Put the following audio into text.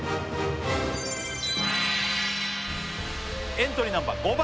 エントリーナンバー５番